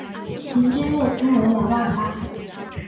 平均月薪为两万八